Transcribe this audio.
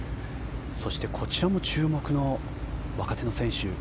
そして、こちらも注目の若手の選手